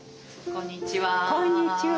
こんにちは。